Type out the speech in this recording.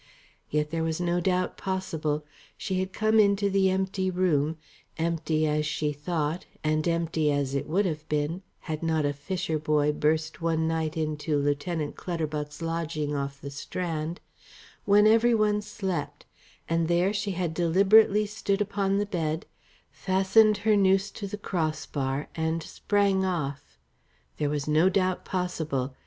Yet there was no doubt possible. She had come into the empty room empty as she thought, and empty it would have been, had not a fisher boy burst one night into Lieutenant Clutterbuck's lodging off the Strand when every one slept, and there she had deliberately stood upon the bed, fastened her noose to the cross bar and sprang off. There was no doubt possible.